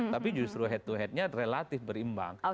tapi justru head to headnya relatif berimbang